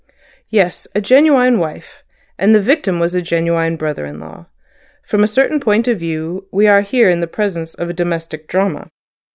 "Yes, a genuine wife. And the victim was a genuine brother in law. From a certain point of view we are here in the presence of a domestic drama."